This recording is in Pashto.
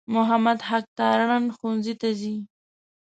محمد حق تارڼ پوهنځي ته ځي.